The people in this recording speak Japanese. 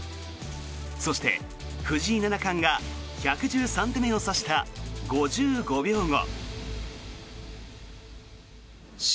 そして、藤井七冠が１１３手目を指した５５秒後。